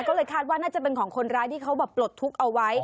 ก็เลยคาดว่าน่าจะเป็นของคนร้ายที่เขาแบบปลดทุกข์เอาไว้